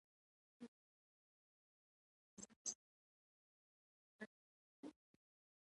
پر مخامخ ووم، له ځان سره مې وویل: باید له دې.